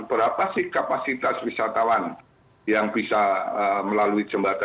berapa sih kapasitas wisatawan yang bisa melalui jembatan